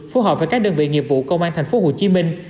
phù hợp với các đơn vị nghiệp vụ công an thành phố hồ chí minh